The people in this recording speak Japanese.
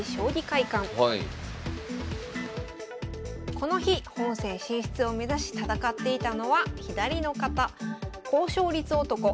この日本戦進出を目指し戦っていたのは左の方。